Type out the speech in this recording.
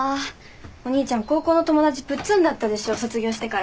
お兄ちゃん高校の友達プッツンだったでしょ卒業してから。